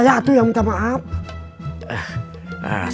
saya itu yang minta maaf pak ustadz